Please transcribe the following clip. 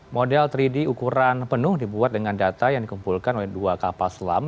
model tiga d ukuran penuh dibuat dengan data yang dikumpulkan oleh dua kapal selam